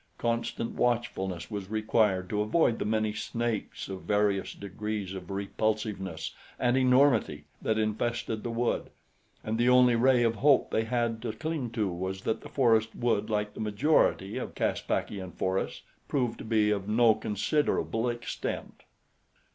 Constant watchfulness was required to avoid the many snakes of various degrees of repulsiveness and enormity that infested the wood; and the only ray of hope they had to cling to was that the forest would, like the majority of Caspakian forests, prove to be of no considerable extent.